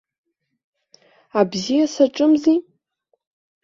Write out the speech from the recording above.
Абзиа саҿымзи!